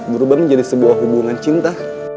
berubah menjadi sebuah hubungan cinta